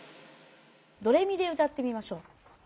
ドレミで歌ってみましょう。